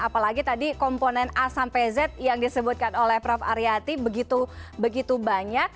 apalagi tadi komponen a sampai z yang disebutkan oleh prof aryati begitu banyak